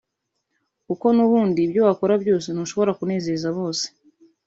kuko n’ubundi ibyo wakora byose ntushobora kunezeza bose